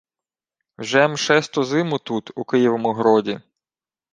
— Вже-м шесту зиму тут, у Києвому гроді.